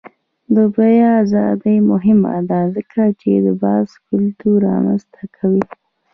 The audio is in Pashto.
د بیان ازادي مهمه ده ځکه چې د بحث کلتور رامنځته کوي.